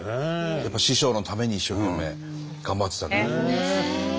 やっぱ師匠のために一生懸命頑張ってたんですね。